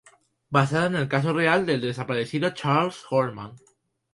Basada en el caso real del desaparecido Charles Horman.